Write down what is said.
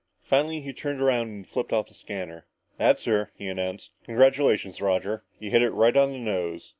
Finally he turned around and flipped off the scanner. "That's her," he announced. "Congratulations, Roger. You hit it right on the nose!"